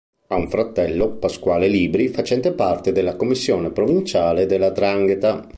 Ha un fratello, Pasquale Libri, facente parte della commissione provinciale della 'Ndrangheta.